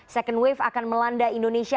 second wave akan melanda indonesia